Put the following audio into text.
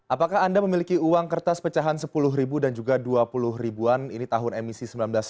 apakah anda memiliki uang kertas pecahan sepuluh ribu dan juga dua puluh ribuan ini tahun emisi seribu sembilan ratus sembilan puluh